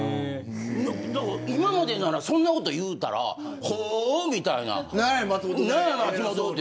今までなら、そんなこと言うたら何や松本って。